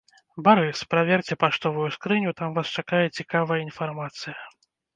Барыс, праверце паштовую скрыню, там вас чакае цікавая інфармацыя!